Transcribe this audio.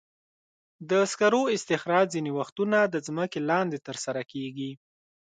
د سکرو استخراج ځینې وختونه د ځمکې لاندې ترسره کېږي.